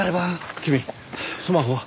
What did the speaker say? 君スマホは？